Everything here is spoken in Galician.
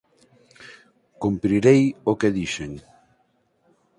Cumprirei o que dixen.